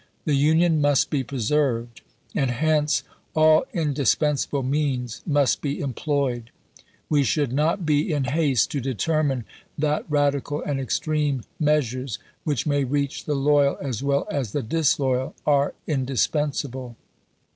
The Union must be preserved; and hence, all indispensable means must ie emploiied. We » should not be in haste to determine that radical and "Globe,"' extreme measures, which may reach the loyal as well as ^%. 3. ' the disloyal, are indispensable.